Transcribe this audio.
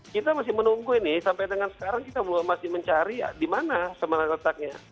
kita masih menunggu ini sampai dengan sekarang kita masih mencari di mana sebenarnya letaknya